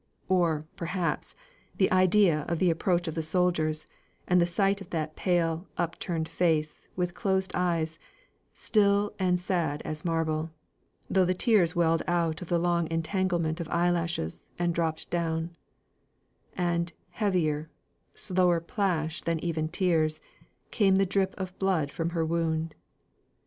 Or, perhaps, the idea of the approach of the soldiers, and the sight of that pale, upturned face, with closed eyes, still and sad as marble, though the tears welled out of the long entanglement of eyelashes, and dropped down; and, heavier, slower plash than even tears, came the drip of blood from her wound.